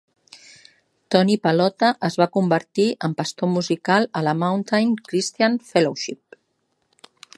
Tony Pallotta es va convertir en pastor musical a la Mountain Christian Fellowship.